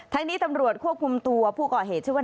นี้ตำรวจควบคุมตัวผู้ก่อเหตุชื่อว่า